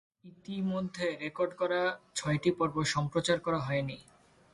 ইতিমধ্যে রেকর্ড করা ছয়টি পর্ব সম্প্রচার করা হয়নি।